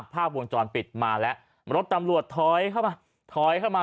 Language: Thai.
ภาพวงจรปิดมาแล้วรถตำรวจถอยเข้ามา